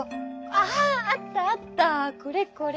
あああったあったこれこれ。